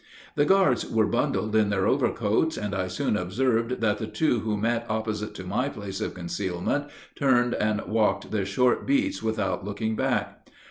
The guards were bundled in their overcoats, and I soon observed that the two who met opposite to my place of concealment turned and walked their short beats without looking back.